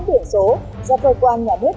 điện số ra cơ quan nhà huyết